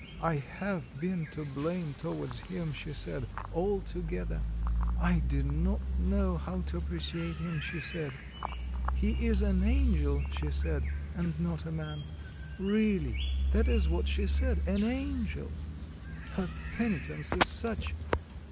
I have been to blame towards him, she said, altogether; I did not know how to appreciate him, she said; he is an angel, she said, and not a man. Really, that is what she said an angel. Her penitence is such...